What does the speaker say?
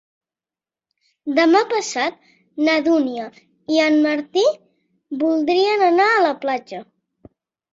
Demà passat na Dúnia i en Martí voldria anar a la platja.